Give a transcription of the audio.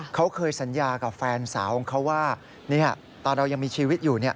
เขาเคยสัญญากับแฟนสาวของเขาว่าตอนเรายังมีชีวิตอยู่